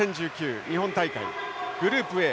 日本大会グループＡ